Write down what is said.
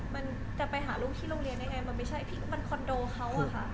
มันจะไปหาลูกที่โรงเรียนได้ไงมันคอนโดเขาอ่ะค่ะ